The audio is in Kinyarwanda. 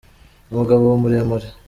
Umugabo muremure.